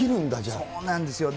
そうなんですよ。